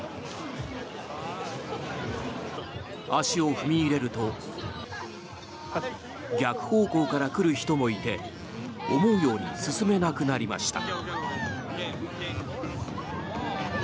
足を踏み入れると逆方向から来る人もいて思うように進めなくなりました。